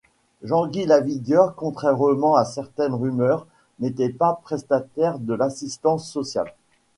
Jean-Guy Lavigueur, contrairement à certaines rumeurs, n'était pas prestataire de l'assistance sociale.